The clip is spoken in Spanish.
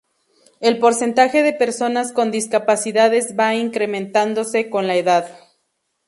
El porcentaje de personas con discapacidades va incrementándose con la edad.